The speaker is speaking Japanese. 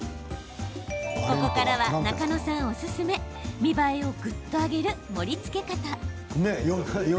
ここからは中野さんおすすめ見栄えをぐっと上げる盛りつけ方。